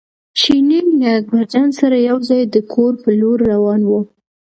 چیني له اکبرجان سره یو ځای د کور پر لور روان و.